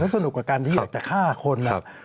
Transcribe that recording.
สนุกกับการที่อยากจะฆ่าคน